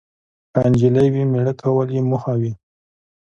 که انجلۍ وي، میړه کول یې موخه وي.